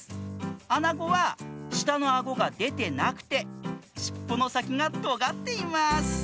あなごはしたのあごがでてなくてしっぽのさきがとがっています。